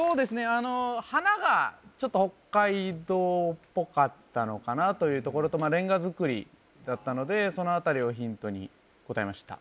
あの花がちょっと北海道っぽかったのかなというところとレンガ造りだったのでその辺りをヒントに答えました